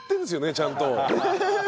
ちゃんと。